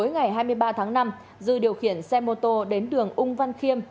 ngày hai mươi ba tháng năm dư điều khiển xe mô tô đến đường ung văn khiêm